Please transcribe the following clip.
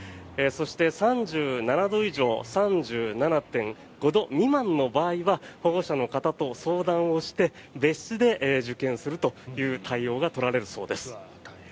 そして、３７度以上３７．５度未満の場合は保護者の方と相談をして別室で受験するという対応が取られるそうです。